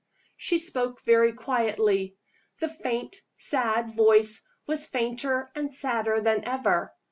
She spoke very quietly. The faint, sad voice was fainter and sadder than ever.